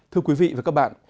thưa quý vị và các bạn